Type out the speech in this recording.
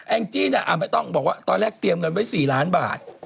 แอ้งจี้น่ะไม่ต้องตอนแรกเตรียมเงินไป๔ล้านบาท